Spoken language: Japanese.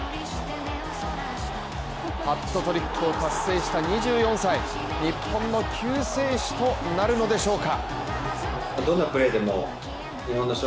ハットトリックを達成した２４歳、日本の救世主となるのでしょうか？